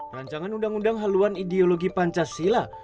rancangan undang undang haluan ideologi pancasila